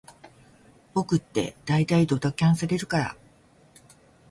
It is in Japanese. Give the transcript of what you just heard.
僕ってだいたいドタキャンされるから